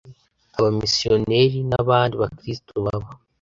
abamisiyoneri n abandi bakristo baba